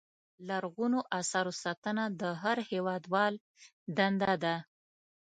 لرغونو اثارو ساتنه د هر هېوادوال دنده ده.